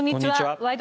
「ワイド！